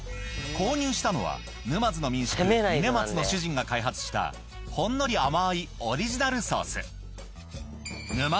購入したのは沼津の民宿峯松の主人が開発したほんのり甘いオリジナルソース